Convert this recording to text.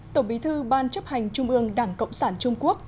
tổng bí thư ban chấp hành trung ương đảng cộng sản trung quốc